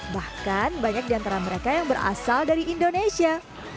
bahkan banyak di antara mereka yang berasal dari indonesia